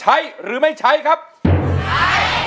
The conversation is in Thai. เป็นอินโทรเพลงที่๔มูลค่า๖๐๐๐๐บาท